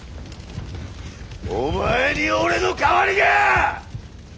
お前に俺の代わりが！